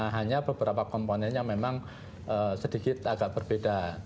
hanya beberapa komponennya memang sedikit agak berbeda